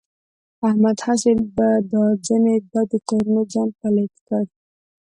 احمد هسې په دا ځنې بدو کارونو ځان پلیت کړ.